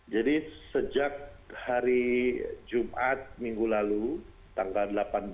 jadi sejak hari jumat minggu lalu tanggal delapan